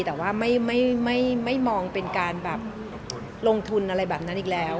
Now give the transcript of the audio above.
แต่ว่าไม่มองเป็นการแบบลงทุนอะไรแบบนั้นอีกแล้ว